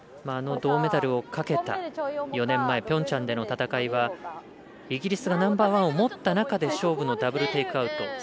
銅メダルをかけた４年前ピョンチャンでの戦いはイギリスがナンバーワンを持った中で勝負のダブル・テイクアウト。